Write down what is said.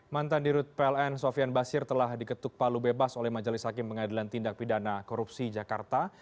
mantan dirut pln sofian basir telah diketuk palu bebas oleh majelis hakim pengadilan tindak pidana korupsi jakarta